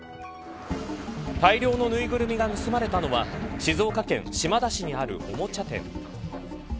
大量のぬいぐるみが盗まれたのは静岡県島田市にあるおもちゃ店。